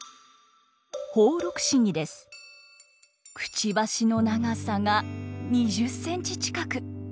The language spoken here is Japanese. クチバシの長さが２０センチ近く。